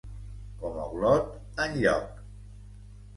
Com a Olot, enlloc.